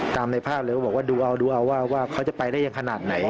ตามในภาพเลยก็บอกว่าดูเอาดูเอาว่าเขาจะไปได้อย่างขนาดไหน